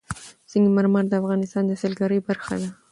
سنگ مرمر د افغانستان د سیلګرۍ برخه ده.